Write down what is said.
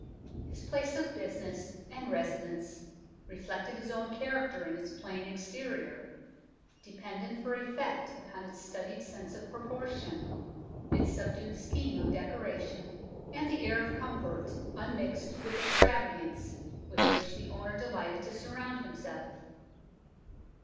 His place of business and residence reflected his own character in its plain exterior, dependent for effect upon its studied sense of proportion, its subdued scheme of decora tion, and the air of comfort unmixed with ex travagance with which the owner delighted to surround himself.